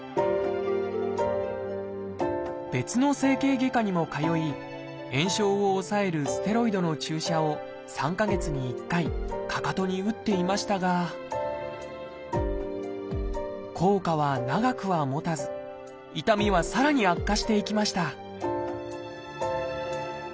別の整形外科にも通い炎症を抑えるステロイドの注射を３か月に１回かかとに打っていましたが効果は長くはもたず痛みはさらに悪化していきました